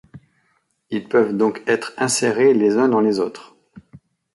Ils peuvent donc être insérés les uns dans les autres.